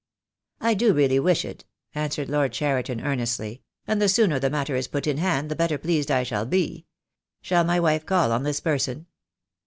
"I do really wish it," answered Lord Cheriton earnestly, "and the sooner the matter is put in hand the better pleased I shall be. Shall my wife call on this person?"